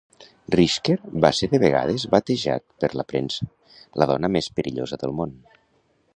Rijker va ser de vegades batejat per la premsa "La dona més perillosa del món".